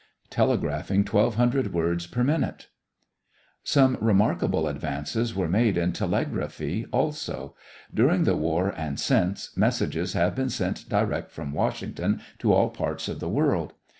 TELEGRAPHING TWELVE HUNDRED WORDS PER MINUTE Some remarkable advances were made in telegraphy also. During the war and since, messages have been sent direct from Washington to all parts of the world.